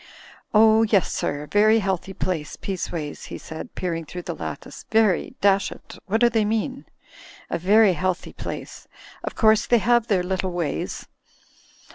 "Oh, yes, sir; very healthy place, Peaceways/' he said, peering through the lattice. "Very ... dash it, what do they mean? ... Very healthy place. Of course they have their little ways."